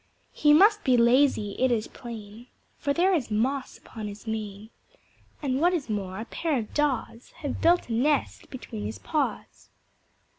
He must be lazy it is plain, For there is moss upon his mane, And what is more, a pair of Daws Have built a nest between his paws.